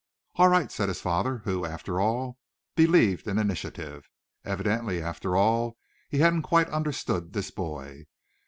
"All right," said his father, who, after all, believed in initiative. Evidently after all he hadn't quite understood this boy.